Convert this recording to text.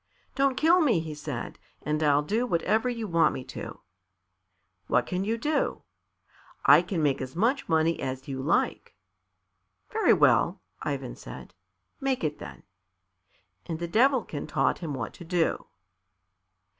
"Don't kill me," he said, "and I'll do whatever you want me to." "What can you do?" "I can make as much money as you like." "Very well," Ivan said; "make it, then." And the Devilkin taught him what to do.